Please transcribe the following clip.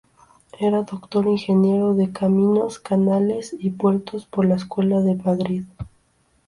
Era doctor ingeniero de Caminos, Canales y Puertos por la Escuela de Madrid.